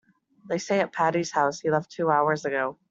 They say at Patti's house he left two hours ago.